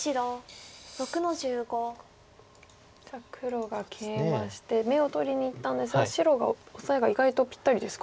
黒がケイマして眼を取りにいったんですが白がオサエが意外とぴったりですか？